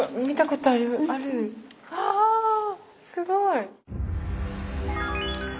あすごい！